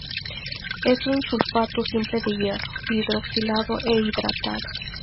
Es un sulfato simple de hierro, hidroxilado e hidratado.